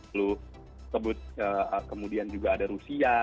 lalu sebut kemudian juga ada rusia